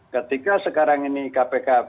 ketika sekarang ini kpk